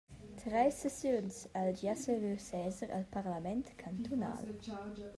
Treis sessiuns ha el gia saviu seser el parlament cantunal.